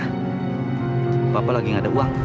gak apa apa lagi gak ada uang